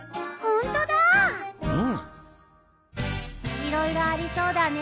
いろいろありそうだね。